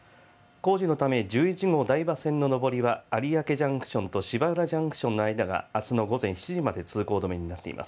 工事のため、１１号台場線の上りは有明ジャンクションと芝浦ジャンクションの間があすの午前７時まで通行止めになっています。